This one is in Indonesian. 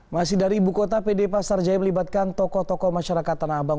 masih dari ibu kota pd pasar jaya melibatkan tokoh tokoh masyarakat tanah abang